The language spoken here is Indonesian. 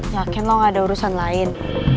yakin lo gak ada urusan lain